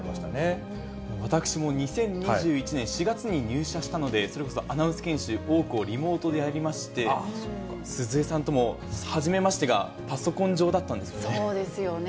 私も２０２１年４月に入社したので、それこそアナウンス研修、多くをリモートでやりまして、鈴江さんともはじめましてが、そうですよね。